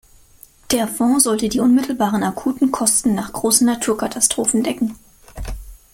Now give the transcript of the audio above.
Der Fonds sollte die unmittelbaren akuten Kosten nach großen Naturkatastrophen decken.